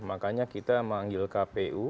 makanya kita memanggil kpu